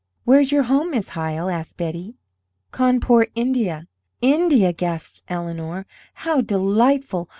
"Where is your home, Miss Hyle?" asked Betty. "Cawnpore, India." "India?" gasped Eleanor. "How delightful!